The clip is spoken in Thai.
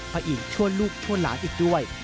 เพราะอีกช่วนลูกช่วนหลานอีกด้วย